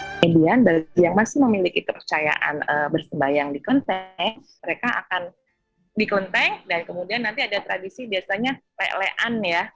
kemudian bagi yang masih memiliki kepercayaan bersembayang di kontes mereka akan di kelenteng dan kemudian nanti ada tradisi biasanya lean ya